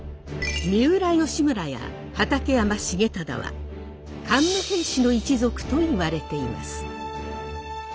三浦義村や畠山重忠は桓武平氏の一族といわれています。